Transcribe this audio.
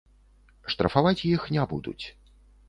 Штрафаваць іх не будуць.